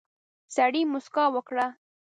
سړي موسکا وکړه.